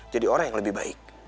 jadi orang yang lebih baik